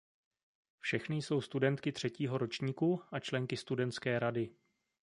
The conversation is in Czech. Všechny jsou studentky třetího ročníku a členky studentské rady.